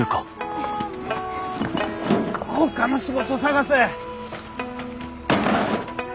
ほかの仕事探せ。